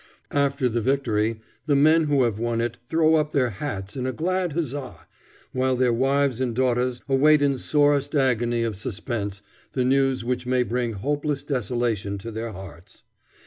After the victory, the men who have won it throw up their hats in a glad huzza, while their wives and daughters await in sorest agony of suspense the news which may bring hopeless desolation to their hearts.